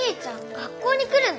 学校に来るの？